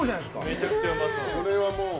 めちゃくちゃうまそう。